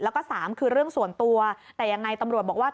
แล้วก็สามคือเรื่องส่วนตัวแต่ยังไงตำรวจบอกว่า